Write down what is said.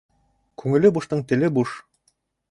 Күңеле буштың теле буш.